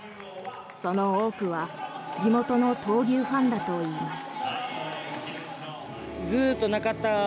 その多くは地元の闘牛ファンだといいます。